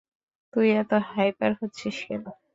তুই এত হাইপার হচ্ছিস কেন?